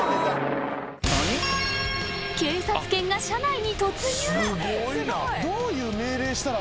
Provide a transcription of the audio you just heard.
［警察犬が車内に突入］